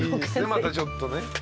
またちょっとね。